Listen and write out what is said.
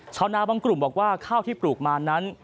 ชาวนาบางกลุ่มบอกว่าข้าวที่ปลูกมานั้น